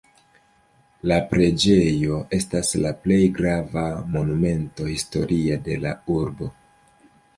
La preĝejo estas la plej grava Monumento historia de la urbo.